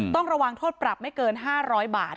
ต้องระวังโทษปรับไม่เกิน๕๐๐บาท